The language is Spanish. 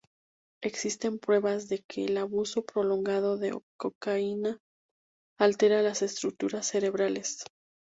Existen pruebas de que el abuso prolongado de cocaína altera las estructuras cerebrales.